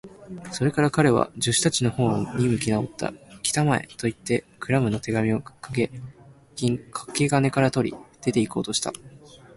それから彼は、助手たちのほうに向きなおった。「きたまえ！」と、彼はいって、クラムの手紙をかけ金から取り、出ていこうとした。